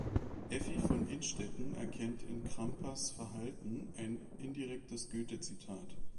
Effi von Innstetten erkennt in Crampas' Verhalten ein indirektes Goethe-Zitat.